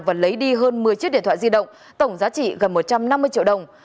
và lấy đi hơn một mươi chiếc điện thoại di động tổng giá trị gần một trăm năm mươi triệu đồng